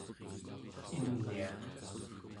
iniaq